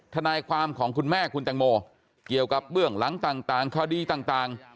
ทนายความของคุณแม่คุณแตงโมเกี่ยวกับเบื้องหลังต่างคดีต่าง